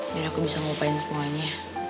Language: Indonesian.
biar aku bisa ngupain semuanya